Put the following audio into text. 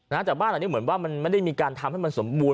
จากบ้านอันนี้เหมือนว่ามันไม่ได้มีการทำให้มันสมบูรณ